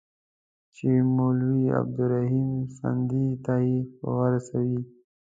چي مولوي عبدالرحیم سندي ته یې ورسوي.